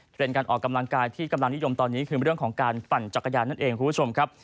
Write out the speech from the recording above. การออกกำลังกายที่กำลังนิยมตอนนี้คือเรื่องของการปั่นจักรยานนั่นเองคุณผู้ชมครับ